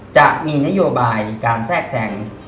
จะมีนโยบายการแทรกแทรง